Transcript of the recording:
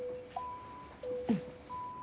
うん。